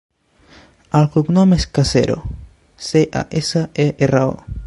El cognom és Casero: ce, a, essa, e, erra, o.